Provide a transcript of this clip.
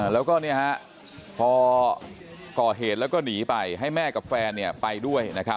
แล้วก็พอก่อเหตุแล้วก็หนีไปให้แม่กับแฟนไปด้วย